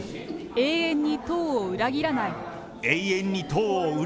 永遠に党を裏切らない。